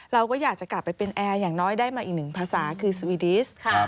เราก็อยากจะกลับไปเป็นแอร์อย่างน้อยได้มาอีกหนึ่งภาษาคือสวีดิสค่ะ